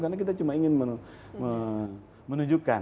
karena kita cuma ingin menunjukkan